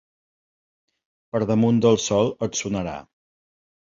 Per damunt del sol et sonarà.